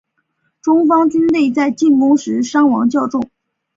中方军队在进攻时伤亡较重。